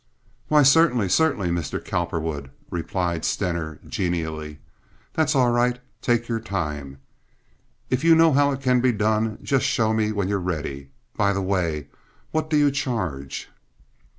"Why, certainly, certainly, Mr. Cowperwood," replied Stener, genially. "That's all right. Take your time. If you know how it can be done, just show me when you're ready. By the way, what do you charge?"